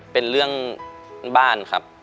เป็นเรื่องบ้านครับ